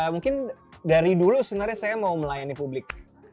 mungkin dari dulu sebenarnya saya mau melayani publik